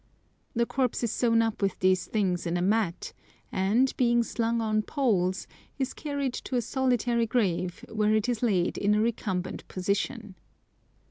The corpse is sewn up with these things in a mat, and, being slung on poles, is carried to a solitary grave, where it is laid in a recumbent position.